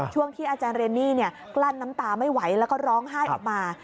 ช่วงที่อาจารย์เรนนี่กลั้นน้ำตาไม่ไหวแล้วก็ร้องไห้ออกมา